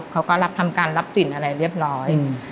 เขาก็รับทำการรับสินอะไรเรียบร้อย